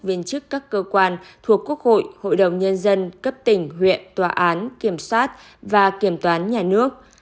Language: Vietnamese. viên chức các cơ quan thuộc quốc hội hội đồng nhân dân cấp tỉnh huyện tòa án kiểm soát và kiểm toán nhà nước